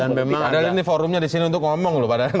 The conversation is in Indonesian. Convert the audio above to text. dan memang padahal ini forumnya di sini untuk ngomong loh padahal